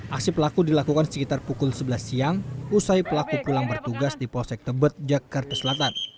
aksi pelaku dilakukan sekitar pukul sebelas siang usai pelaku pulang bertugas di polsek tebet jakarta selatan